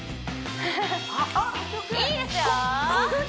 いいですよ